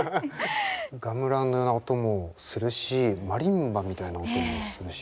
ガムランのような音もするしマリンバみたいな音もするし。